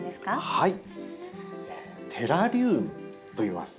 はいテラリウムといいます。